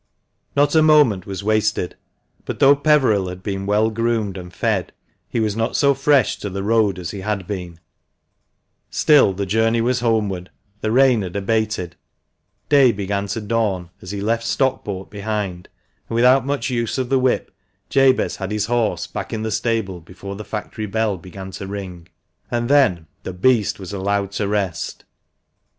Not a moment was wasted, but though Peveril had been well groomed and fed, he was not so fresh to the road as he had been ; still the journey was homeward, the rain had abated ; day began to dawn as he left Stockport behind, and without much use of the whip, Jabez had his horse back in the stable before the factory bell began to ring. And then the beast was allowed to rest.